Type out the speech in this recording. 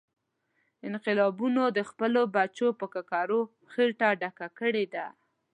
انقلابونو د خپلو بچو په ککرو خېټه ډکه کړې ده.